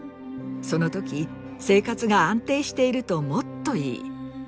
その時生活が安定しているともっといい。